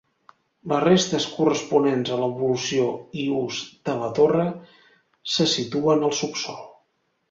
Les restes corresponents a l'evolució i ús de la torre se situen al subsòl.